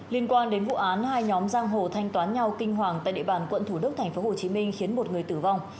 liên quan đến vụ án hai nhóm giang hồ thanh toán nhau kinh hoàng tại địa bàn quận thủ đức tp hcm khiến một người tử vong